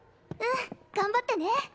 うん頑張ってね。